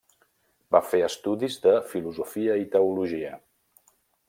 Va fer estudis de filosofia i teologia.